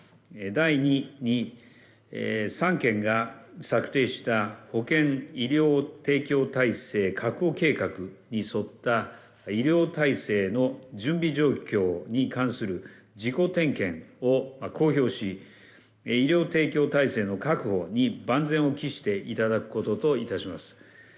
第２に、３県が策定した保健医療提供体制確保計画に沿った医療体制の準備状況に関する自己点検を公表し、医療提供体制の確保に万全を期していただくことといたします。